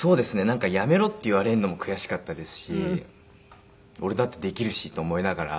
なんか「辞めろ」って言われるのも悔しかったですし俺だってできるしと思いながら。